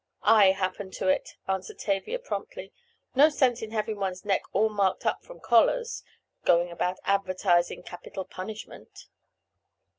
"I happened to it," answered Tavia promptly. "No sense in having one's neck all marked up from collars—going about advertising capital punishment."